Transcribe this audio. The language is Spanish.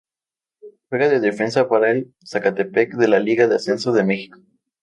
Juega de defensa para el Zacatepec de la Liga de Ascenso de Mexico.